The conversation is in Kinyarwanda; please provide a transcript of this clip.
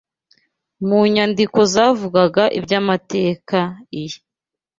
Mu nyandiko zavugaga iby’amateka year